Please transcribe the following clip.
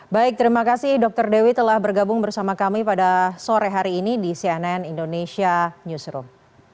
baik terima kasih dokter dewi telah bergabung bersama kami pada sore hari ini di cnn indonesia newsroom